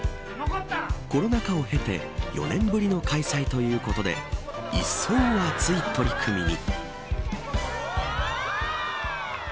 コロナ禍を経て４年ぶりの開催ということで一層、熱い取り組みに。